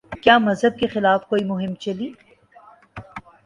کیا مذہب کے خلاف کوئی مہم چلی؟